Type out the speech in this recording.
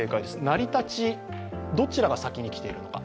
成り立ち、どちらが先に来ているのか。